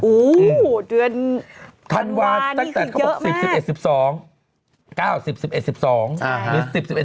อู้วเดือนธันวาลนี่คือเยอะมากธันวาลตั้งแต่เขาบอก๑๐๑๑๑๒